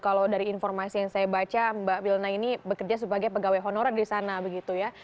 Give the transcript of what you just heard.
kalau dari informasi yang saya baca mbak wilna ini bekerja sebagai pegawai honorer di sana begitu ya